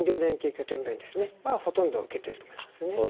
拠点病院はほとんど受けていると思いますね。